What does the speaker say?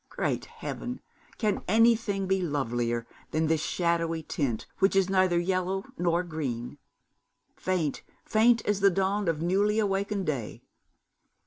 Great heaven, can anything be lovelier than this shadowy tint which is neither yellow nor green; faint, faint as the dawn of newly awakened day?